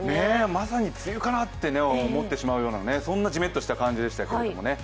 まさに梅雨かなって思ってしまうようなじめっとした感じでしたけどね。